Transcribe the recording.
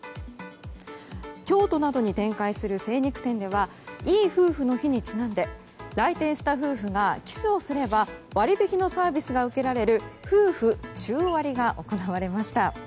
京都などに展開する精肉店ではいい夫婦の日にちなんで来店した夫婦がキスをすれば割引のサービスが受けられる夫婦チュー割が行われました。